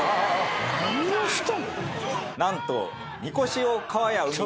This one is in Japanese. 何をしとん？何と。